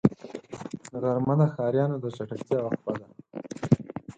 غرمه د ښاريانو د چټکتیا وقفه ده